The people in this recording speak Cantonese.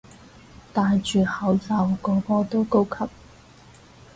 戴住口罩個個都高級